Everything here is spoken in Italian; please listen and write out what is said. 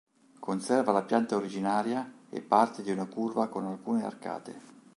Conserva la pianta originaria e parte di una curva con alcune arcate.